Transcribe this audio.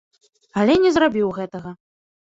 Але не зрабіў гэтага.